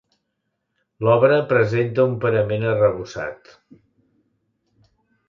L'obra presenta un parament arrebossat.